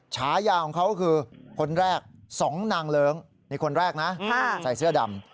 ฉายาของเขาก็คือคนแรก๒นางเลิ้งนี่คนแรกนะใส่เสื้อดำ